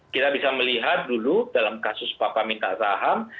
kita bisa melihat dulu dalam kasus papa minta saham